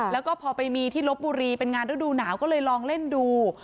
แล้วก็พอไปมีที่ลบบุรีเป็นงานฤดูหนาวก็เลยลองเล่นดู